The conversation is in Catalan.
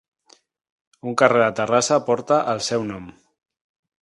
Un carrer de Terrassa porta el seu nom.